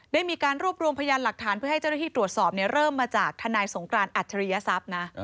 ได้มีการรวบรวมพยานหลักฐานเพื่อให้เจ้าหน้าที่ตรวจสอบเริ่มมาจากทนายสงกรานอัจฉริยทรัพย์นะ